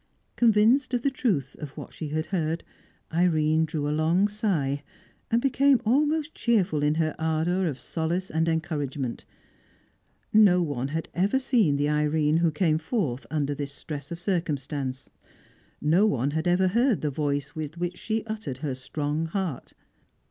Convinced of the truth of what she heard, Irene drew a long sigh, and became almost cheerful in her ardour of solace and encouragement. No one had ever seen the Irene who came forth under this stress of circumstance; no one had ever heard the voice with which she uttered her strong heart.